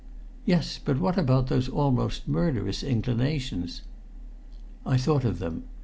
"Yes; but what about those almost murderous inclinations?" "I thought of them.